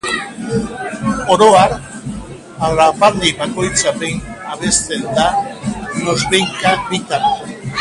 Oro har, ahapaldi bakoitza behin abesten da, noizbehinka bitan.